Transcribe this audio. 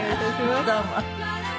どうも。